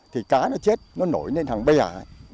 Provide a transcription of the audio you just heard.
thì cá nó chết nó nổi lên hàng bê hả